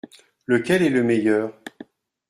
Lequel est le meilleur ?